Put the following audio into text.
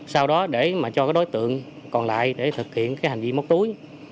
sau đó để mà cho cái đối tượng còn lại để thực hiện cái hành vi móc túi